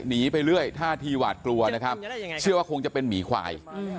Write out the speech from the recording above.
หนีไปเรื่อยท่าทีหวาดกลัวนะครับเชื่อว่าคงจะเป็นหมีควาย